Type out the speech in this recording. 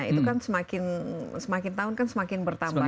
itu kan semakin tahun kan semakin bertambah